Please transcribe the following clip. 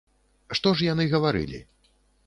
Што ж яны гаварылі?